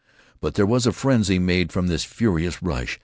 But there was a frenzy made from this furious rush.